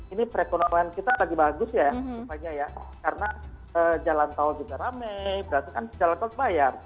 ini perekonomian kita lagi bagus ya karena jalan tol juga rame berarti kan jalan tol bayar